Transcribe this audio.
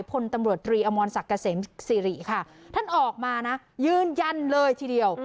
พลตำรวจตรีอมรศักดิ์เกษมสิริค่ะท่านออกมานะยืนยันเลยทีเดียว